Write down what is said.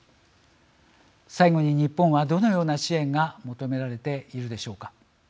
最後に日本は、どのような支援が求められているでしょうか。